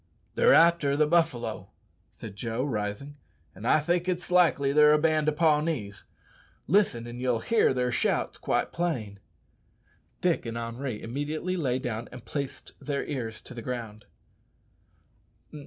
"They're arter the buffalo," said Joe, rising, "an' I think it's likely they're a band o' Pawnees. Listen an' ye'll hear their shouts quite plain." Dick and Henri immediately lay down and placed their ears to the ground.